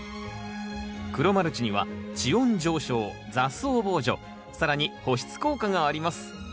黒マルチには地温上昇雑草防除更に保湿効果があります。